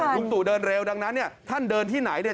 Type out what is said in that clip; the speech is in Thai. ลุงตู่เดินเร็วดังนั้นเนี่ยท่านเดินที่ไหนเนี่ย